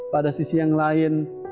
pada sisi yang lain